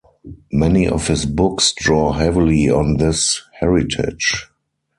Many of his books draw heavily on this heritage.